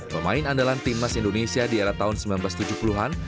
pemain andalan timnas indonesia di era tahun seribu sembilan ratus tujuh puluh an